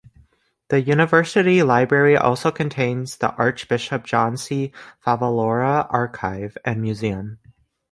The University Library also contains the Archbishop John C. Favalora Archive and Museum.